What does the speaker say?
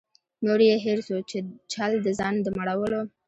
نور یې هېر سو چل د ځان د مړولو